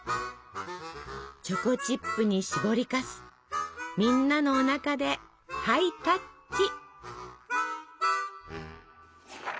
チョコチップにしぼりかすみんなのおなかでハイタッチ！